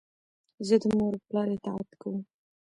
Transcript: زه د مور و پلار اطاعت کوم.